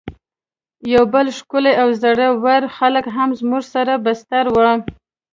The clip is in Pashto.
یو بل ښکلی او زړه ور هلک هم زموږ سره بستر و.